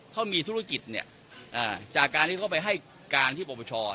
เขามีธุรกิจเนี่ยจากการที่เขาไปให้การที่ปรปช